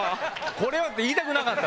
「これは⁉」って言いたくなかった。